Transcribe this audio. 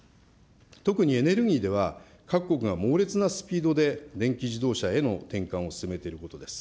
特にエネルギーでは、各国が猛烈なスピードで電気自動車への転換を進めていることです。